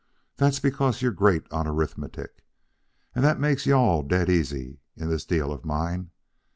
That's because you're great on arithmetic. And that makes you all dead easy in this deal of mine.